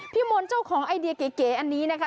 มนต์เจ้าของไอเดียเก๋อันนี้นะคะ